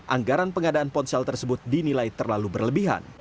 anggaran pengadaan ponsel tersebut dinilai terlalu berlebihan